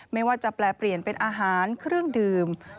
ไม่ว่าจะแปลเปลี่ยนเป็นอาหารเครื่องดื่ม